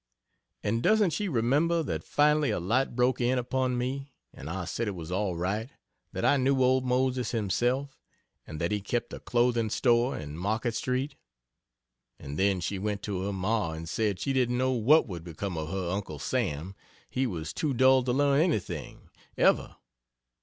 And doesn't she remember that finally a light broke in upon me and I said it was all right that I knew old Moses himself and that he kept a clothing store in Market Street? And then she went to her ma and said she didn't know what would become of her uncle Sam he was too dull to learn anything ever!